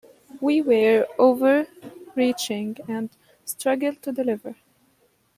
We were overreaching and struggled to deliver.